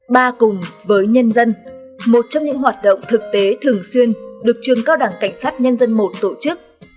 ba cùng với nhân dân một trong những hoạt động thực tế thường xuyên được trường cao đẳng cảnh sát nhân dân i tổ chức